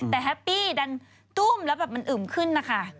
แต่แฮปปี้ดันตุ้มแล้วแบบมันอึมขึ้นนะคะ